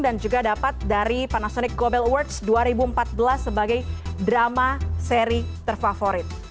dan juga dapat dari panasonic gobel awards dua ribu empat belas sebagai drama seri terfavorit